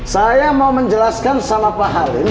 saya mau menjelaskan salah pak halim